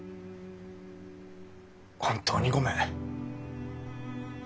本当にごめん。